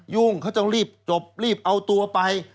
ยุ่งเขาต้องรีบจบรีบเอาตัวไป